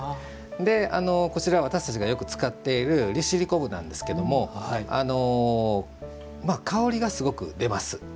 こちら私たちがよく使っている利尻昆布なんですけども香りが、すごく出ます。